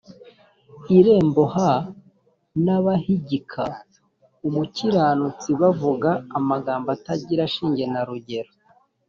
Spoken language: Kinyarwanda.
irembo h n abahigika umukiranutsi bavuga amagambo atagira shinge na rugero